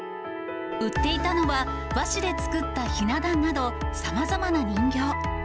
売っていたのは、和紙で作ったひな壇など、さまざまな人形。